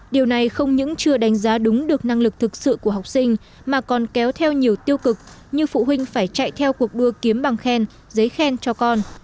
điều này không những chưa đánh giá đúng được năng lực thực sự của học sinh mà còn kéo theo nhiều tiêu cực như phụ huynh phải chạy theo cuộc đua kiếm bằng khen giấy khen cho con